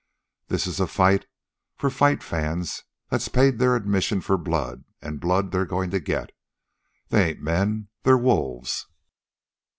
This is a fight for fight fans that's paid their admission for blood, an' blood they're goin' to get. They ain't men. They're wolves.